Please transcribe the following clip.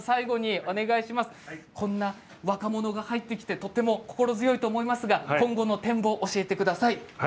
若者が入ってきて心強いと思いますが今後の展望を教えてください。